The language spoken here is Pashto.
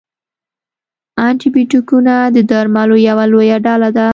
انټي بیوټیکونه د درملو یوه لویه ډله ده.